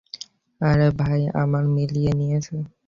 আরে, ভাই আমার মিলিয়ে নিয়েছে।